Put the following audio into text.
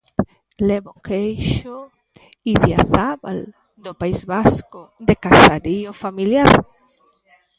Levo queixo Idiazábal, do País Vasco, de casarío familiar.